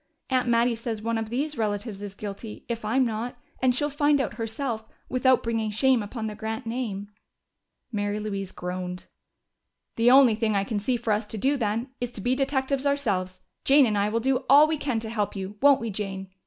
Aunt Mattie says one of these relatives is guilty, if I'm not, and she'll find out herself, without bringing shame upon the Grant name." Mary Louise groaned. "The only thing I can see for us to do, then, is to be detectives ourselves. Jane and I will do all we can to help you, won't we, Jane?"